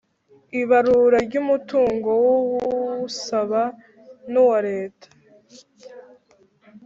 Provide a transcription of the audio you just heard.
ibarura ry umutungo w usaba n uwa leta